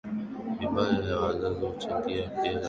mibaya ya wazazi huchangia pia tatizo hilo